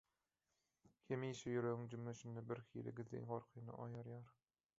hemişe ýüregiň jümmüşinde birhili gizlin gorkyny oýarýar.